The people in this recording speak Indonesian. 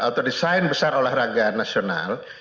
atau desain besar olahraga nasional